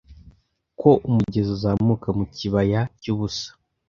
Ko umugezi uzamuka mu kibaya cyubusa.